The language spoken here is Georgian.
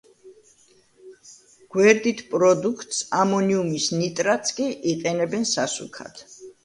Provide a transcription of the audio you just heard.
გვერდით პროდუქტს, ამონიუმის ნიტრატს, კი იყენებენ სასუქად.